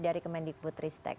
dari kemendikbud ristek